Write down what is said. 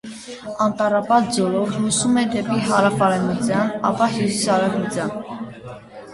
Անտառապատ ձորով հոսում է դեպի հարավարևմտյան, ապա՝ հյուսիսարևմտյան։